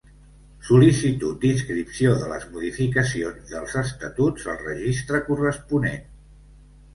Sol·licitud d'inscripció de les modificacions dels estatuts al registre corresponent.